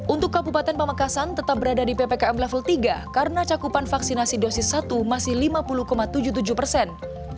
untuk kabupaten pamekasan tetap berada di ppkm level tiga karena cakupan vaksinasi dosis satu masih lima puluh tujuh puluh tujuh persen